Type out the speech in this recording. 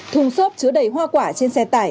thùng xốp chứa đầy hoa quả trên xe tải